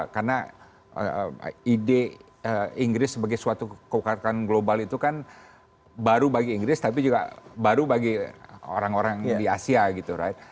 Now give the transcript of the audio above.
karena ide inggris sebagai suatu kewakilan global itu kan baru bagi inggris tapi juga baru bagi orang orang di asia gitu right